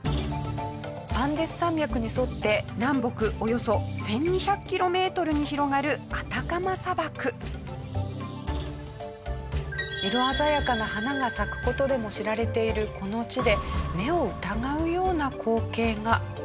アンデス山脈に沿って南北およそ１２００キロメートルに広がる色鮮やかな花が咲く事でも知られているこの地で。